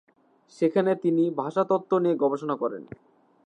সেখানে তিনি ভাষাতত্ত্ব নিয়ে গবেষণা করেন।